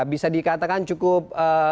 bisa dikatakan cukup